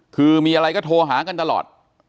คือมีอะไรก็โทรหากันตลอด